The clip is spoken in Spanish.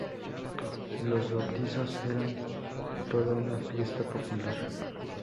Los bautizos eran toda una fiesta popular.